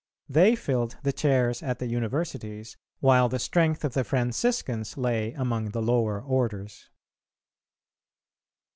They filled the chairs at the Universities, while the strength of the Franciscans lay among the lower orders.